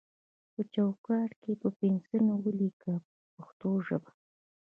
په چوکاټ کې یې په پنسل ولیکئ په پښتو ژبه.